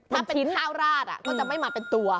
ถ้าเป็นข้าวราดก็จะไม่มาเป็นตัว